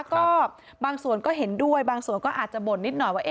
ก็บางส่วนก็เห็นด้วยบางส่วนก็อาจจะบ่นนิดหน่อยว่า